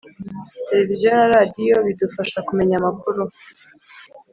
Televiziyo na radio bidufasha kumenya amakuru